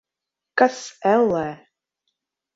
Kas, ellē?